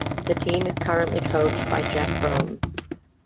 The team is currently coached by Jeff Brohm.